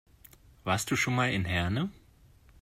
Warst du schon mal in Herne?